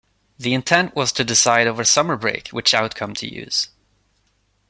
The intent was to decide over summer break which outcome to use.